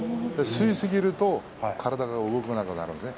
吸いすぎると体が動かなくなるんです。